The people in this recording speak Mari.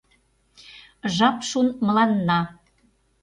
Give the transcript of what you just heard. Жап шуын мыланна